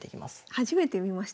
初めて見ました